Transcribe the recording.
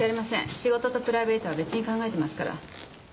仕事とプライベートは別に考えてますから。